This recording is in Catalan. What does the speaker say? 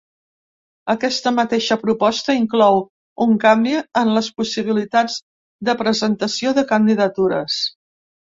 Aquesta mateixa proposta inclou un canvi en les possibilitats de presentació de candidatures.